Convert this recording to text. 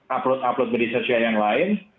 upload upload media sosial yang lain